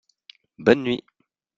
Bonne nuit !